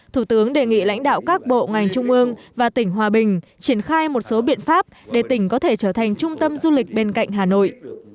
thủ tướng đề nghị lãnh đạo các bộ ngành trung ương và tỉnh hòa bình triển khai một số biện pháp để tỉnh có thể trở thành trung tâm du lịch bên cạnh hà nội